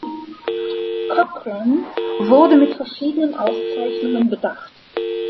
Cochran wurde mit verschiedenen Auszeichnungen bedacht.